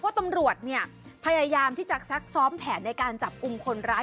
เพราะตำรวจเนี่ยพยายามที่จะซักซ้อมแผนในการจับกลุ่มคนร้าย